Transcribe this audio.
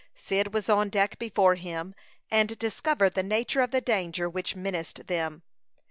Cyd was on deck before him, and discovered the nature of the danger which menaced them.